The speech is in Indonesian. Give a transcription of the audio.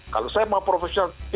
kalau saya mau profesional tidak boleh